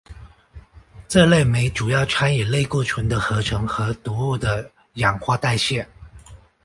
这类酶主要参与类固醇的合成和毒物的氧化代谢。